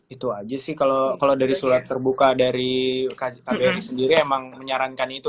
itu aja sih kalau dari surat terbuka dari kbri sendiri emang menyarankan itu